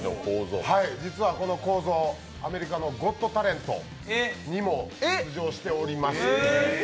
実はこのこーぞー、アメリカの「ゴット・タレント」にも出場しております。